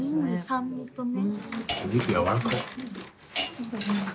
酸味とね。